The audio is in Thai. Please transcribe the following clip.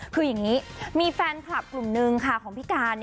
คืออย่างนี้มีแฟนคลับกลุ่มนึงค่ะของพี่การ